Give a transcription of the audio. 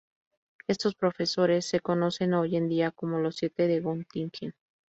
Estos profesores se conocen hoy en día como los "Siete de Göttingen".